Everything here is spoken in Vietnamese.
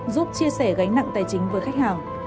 giúp chia sẻ gánh nặng tài chính với khách hàng